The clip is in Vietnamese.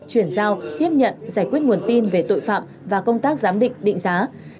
chuyển giao tiếp nhận giải quyết nguồn tin về tội phạm và công tác giám định định giá